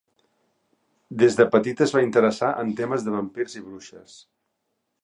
Des de petita es va interessar en temes de vampirs i bruixes.